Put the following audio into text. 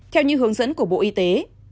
theo như hướng dẫn của bộ y tế